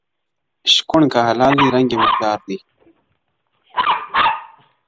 o شکوڼ که حلال دئ، رنگ ئې د مردار دئ٫